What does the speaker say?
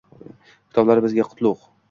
Kitoblari bizga qutlugʼ.